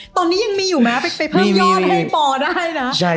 ตอนนี้ยังมีอยู่ไหมไปเพิ่มยอดให้ปอได้นะ